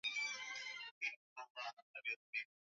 vya ubora wa hewa ya kitaifa Viwango vya kitaifa vinaweza